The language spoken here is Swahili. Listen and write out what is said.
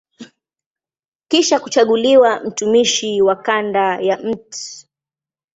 Kisha kuchaguliwa mtumishi wa kanda ya Mt.